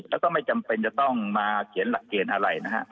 แล้วก็ไม่จำเป็นจะต้องมาเขียนหลักเกณฑ์อะไรนะฮะ